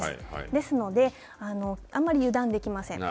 ですのであんまり油断できません。